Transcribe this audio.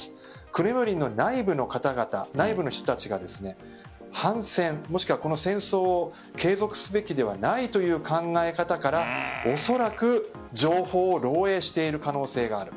クレムリンの内部の人たちが反戦、もしくは戦争を継続すべきではないという考え方からおそらく情報を漏えいしている可能性がある。